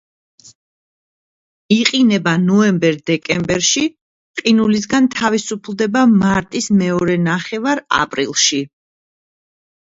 იყინება ნოემბერ–დეკემბერში; ყინულისაგან თავისუფლდება მარტის მეორე ნახევარ–აპრილში.